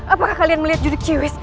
apakah kalian melihat juduk ciwis